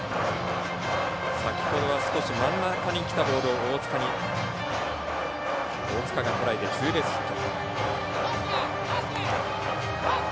先ほどは少し真ん中にきたボール大塚がとらえてツーベースヒット。